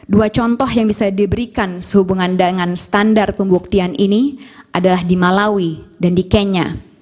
dua contoh yang bisa diberikan sehubungan dengan standar pembuktian ini adalah di malawi dan di kenya